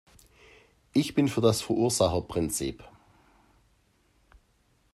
Ich bin für das Verursacherprinzip.